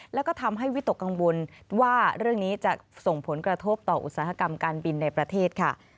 แล้วก็ทำให้วิตกกังวลว่าเรื่องนี้จะส่งผลกระทบต่ออุตสาหกรรมการบินในประเทศค่ะ